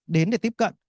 đến để tiếp cận